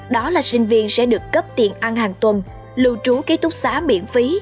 đó là sinh viên sẽ được cấp tiền ăn hàng tuần lưu trú ký túc xá miễn phí